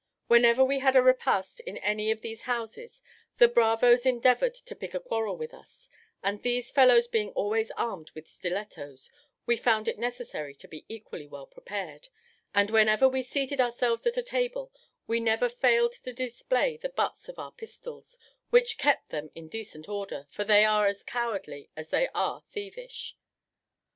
Whenever we had a repast in any of these houses, the bravos endeavoured to pick a quarrel with us; and these fellows being always armed with stilettos, we found it necessary to be equally well prepared; and whenever we seated ourselves at a table, we never failed to display the butts of our pistols, which kept them in decent order, for they are as cowardly as they are thievish.